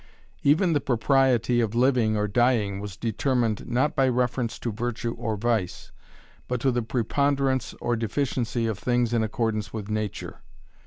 Even the propriety of living or dying was determined, not by reference to virtue or vice, but to the preponderance or deficiency of things in accordance with nature.